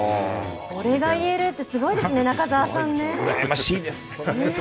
これが言えるってすごいですね中澤さん。